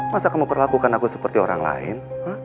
masa kamu perlakukan aku seperti orang lain